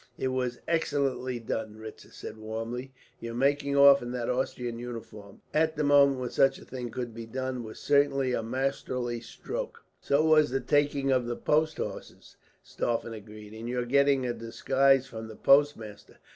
"It was excellently done," Ritzer said warmly. "Your making off in that Austrian uniform, at the only moment when such a thing could be done, was certainly a masterly stroke." "So was the taking of the post horses," Stauffen agreed, "and your getting a disguise from the postmaster.